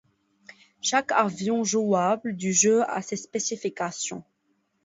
Chaque avion jouable du jeu a ses spécifications.